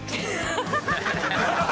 ハハハハ！